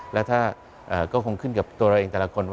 และก็คงคุ้นกับตัวเองแบบ